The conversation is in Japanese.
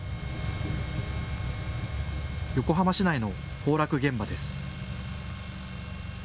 横浜市内の崩落現場です。